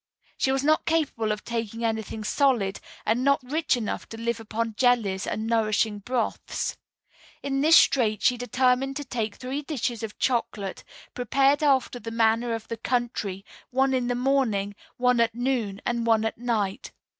She was not capable of taking anything solid, and not rich enough to live upon jellies and nourishing broths. In this strait she determined to take three dishes of chocolate, prepared after the manner of the country, one in the morning, one at noon, and one at night.